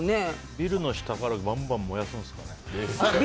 ビルの下からバンバン燃やすんですかね。